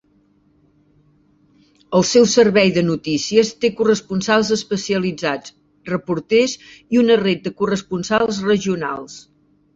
El seu servei de notícies té corresponsals especialitzats, reporters i una ret de corresponsals regionals.